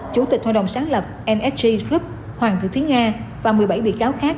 chủ tịch hội đồng sáng lập nsg group hoàng thủ thúy nga và một mươi bảy bị cáo khác